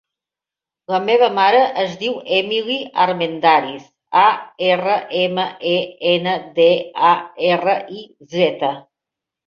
La meva mare es diu Emily Armendariz: a, erra, ema, e, ena, de, a, erra, i, zeta.